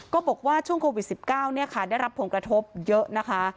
บอกว่าช่วงโควิด๑๙ได้รับผลกระทบเยอะนะคะ